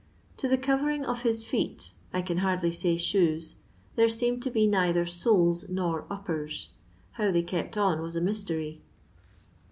To the covering of his feet — I can hardly say shoes— there seemed to be neither soles nor uppers. Uow they kept on was a mystery.